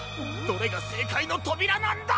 どれがせいかいのとびらなんだ！？